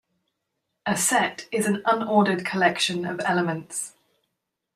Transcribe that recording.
A set is an unordered collection of "elements".